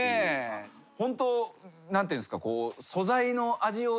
ホント何ていうんですか？